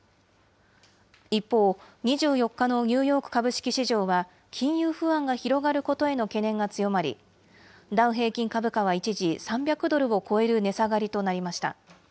一方、２４日のニューヨーク株式市場は、金融不安が広がることへの懸念が強まり、ダウ平均株価は一時３００ドルを超える値下がりとなりました。